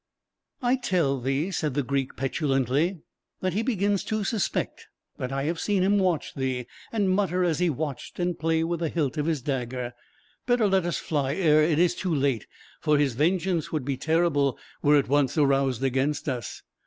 "I tell thee," said the Greek, petulantly, "that he begins to suspect; that I have seen him watch thee, and mutter as he watched, and play with the hilt of his dagger. Better let us fly ere it is too late, for his vengeance would be terrible were it once aroused against us.